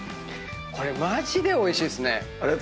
これマジでおいしいっすね！